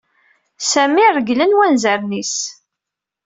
Sami reglen wanzaren-is.